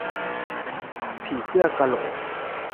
ผีเสื้อกะโหลก